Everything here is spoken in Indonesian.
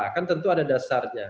kan tentu ada dasarnya